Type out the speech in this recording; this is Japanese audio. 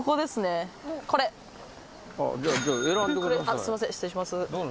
あっすいません失礼します。